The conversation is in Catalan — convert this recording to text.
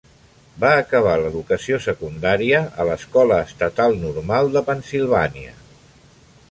Va acabar l'educació secundària a l'escola estatal Normal de Pennsilvània.